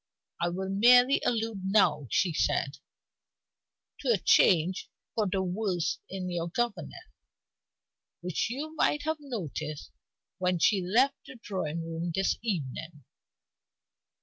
"I will merely allude now," she said, "to a change for the worse in your governess, which you might have noticed when she left the drawing room this evening.